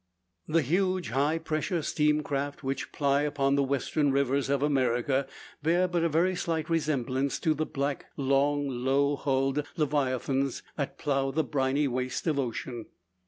The huge "high pressure" steam craft which ply upon the western rivers of America bear but a very slight resemblance to the black, long, low hulled leviathans that plough the briny waste of ocean.